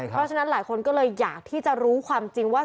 เพราะฉะนั้นหลายคนก็เลยอยากที่จะรู้ความจริงว่า